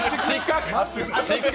失格！